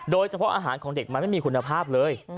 โดยเฉพาะอาหารของเด็กมันไม่มีคุณภาพเลย